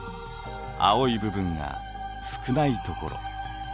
青い部分が少ないところ。